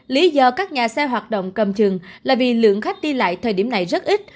lý do các nhà xe hoạt động cầm chừng là vì lượng khách đi lại thời điểm này rất ít